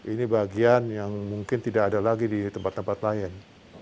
ini bagian yang mungkin tidak ada lagi di tempat tempat lain